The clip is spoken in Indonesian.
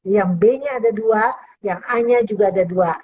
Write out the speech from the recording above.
yang b nya ada dua yang a nya juga ada dua